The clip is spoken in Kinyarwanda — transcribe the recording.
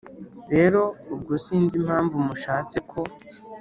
rero ubwo sinzi impamvu mushatse ko